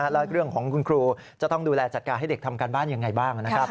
แล้วเรื่องของคุณครูจะต้องดูแลจัดการให้เด็กทำการบ้านอย่างไรบ้างนะครับ